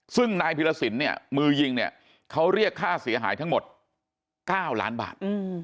ซึ่งนายพิรสินเนี่ยมือยิงเนี่ยเขาเรียกค่าเสียหายทั้งหมด๙ล้านบาท